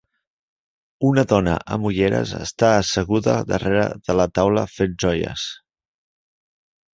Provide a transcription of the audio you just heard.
Una dona amb ulleres està asseguda al darrera de la taula fent joies.